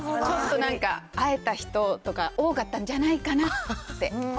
ちょっと会えた人とか、多かったんじゃないかなって。